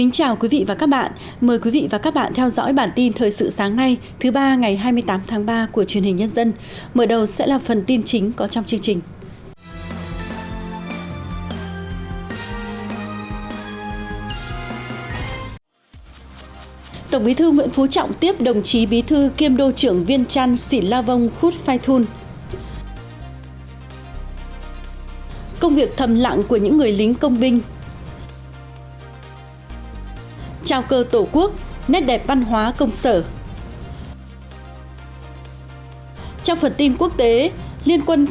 chào mừng quý vị đến với bản tin thời sự sáng nay thứ ba ngày hai mươi tám tháng ba của truyền hình nhân dân